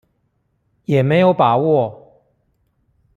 也沒有把握